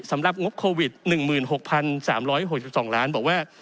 สำหรับงบโควิด๑๖๓๖๒ล้านบอกว่า